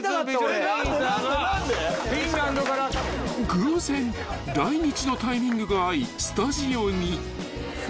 ［偶然来日のタイミングが合いスタジオに］